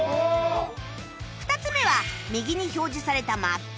２つ目は右に表示されたマップ